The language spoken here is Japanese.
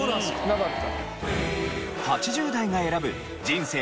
なかった。